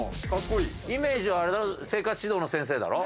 イメージはあれだろ生活指導の先生だろ？